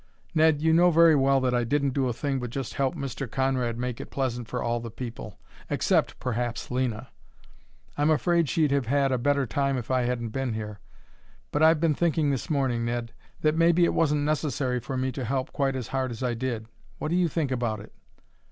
"Ned, you know very well that I didn't do a thing but just help Mr. Conrad make it pleasant for all the people except, perhaps, Lena. I'm afraid she'd have had a better time if I hadn't been here. But I've been thinking this morning, Ned, that maybe it wasn't necessary for me to help quite as hard as I did. What do you think about it?"